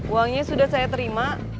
uangnya sudah saya terima